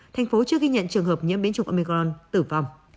tp hcm chưa ghi nhận trường hợp nhiễm biến chủng omicron tử vong